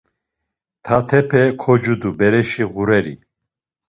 Tatepe kocudu bereşi ğureri.